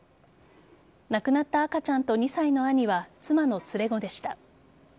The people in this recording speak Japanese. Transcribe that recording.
亡くなった赤ちゃんと２歳の兄は妻の連れ子でした。